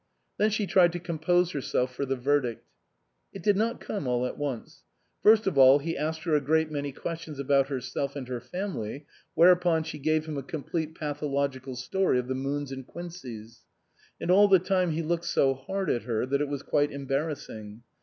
Then she tried to compose herself for the verdict. It did not come all at once. First of all he asked her a great many questions about herself and her family, whereupon she gave him a complete pathological story of the Moons and Quinceys. And all the time he looked so hard at her that it was quite embarrassing.